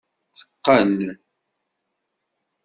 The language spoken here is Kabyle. Teqqen.